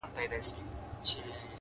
اوس مي د زړه پر تكه سپينه پاڼه _